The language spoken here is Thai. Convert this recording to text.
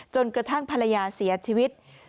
จนกระทั่งภรรยาเสียชีวิต